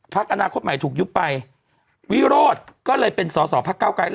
อนาคตใหม่ถูกยุบไปวิโรธก็เลยเป็นสอสอพักเก้าไกร